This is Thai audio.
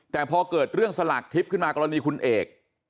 แต่พอเกิดเรื่องสลากทิพย์ขึ้นมากรณีคุณเอก